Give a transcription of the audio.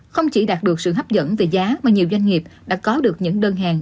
không chỉ đạt được sự hấp dẫn về giá mà nhiều doanh nghiệp đã có được những đơn hàng